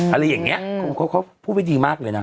อะไรอย่างนี้เขาพูดไว้ดีมากเลยนะ